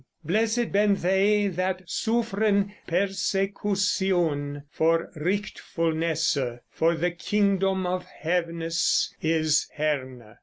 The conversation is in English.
Blessid ben thei that suffren persecusioun for rightfulnesse, for the kyngdom of hevenes is herne.